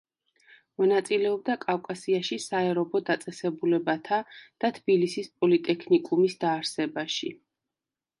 მონაწილეობდა კავკასიაში საერობო დაწესებულებათა და თბილისის პოლიტექნიკუმის დაარსებაში.